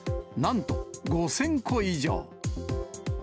なんと、５０００個以上。